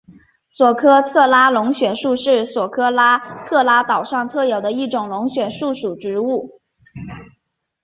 索科特拉龙血树是索科特拉岛上特有的一种龙血树属植物。